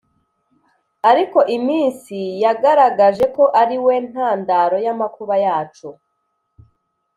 ariko iminsi yagaragaje ko ari we ntandaro y'amakuba yacu.